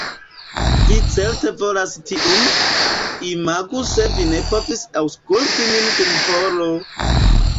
Vi certe volas tiun. Imagu se vi ne povis aŭskulti min dum horo!